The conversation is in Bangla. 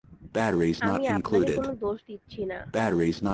আমি আপনাকে কোনো দোষ দিচ্ছি না।